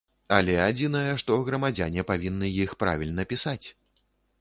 Але адзінае, што грамадзяне павінны іх правільна пісаць.